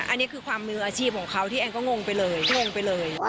อันนี้คือความมืออาชีพของเขาที่แอนก็งงไปเลยงงไปเลย